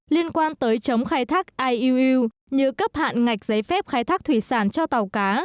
liên quan tới chống khai thác iuu như cấp hạn ngạch giấy phép khai thác thủy sản cho tàu cá